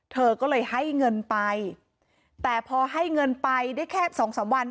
เธอก็เลยให้เงินไปแต่พอให้เงินไปได้แค่สองสามวัน